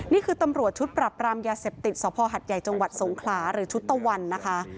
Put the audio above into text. นี่คือตำรวจชุดปรับรามยาเสพติดสภหัดใหญ่จังหวัดสงขลาหรือชุดตะวันนะคะ